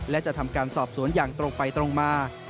และจะทำการสอบสวนอย่างตรงไปตรงมา